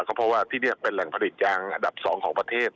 เพราะว่าที่นี่เป็นแหล่งผลิตยางอันดับ๒ของประเทศ